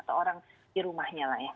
atau orang di rumahnya lah ya